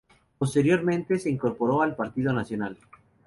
Posteriormente, se incorporó al Partido Nacional.